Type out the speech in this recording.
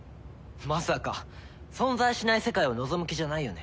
まさか存在しない世界を望む気じゃないよね？